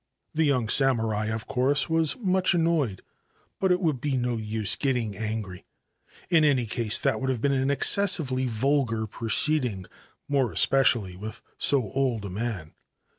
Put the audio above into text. The young samurai, of course, much annoyed ; but it would be no use getting an£ In any case that would have been an excessively vul proceeding, more especially with so old a man.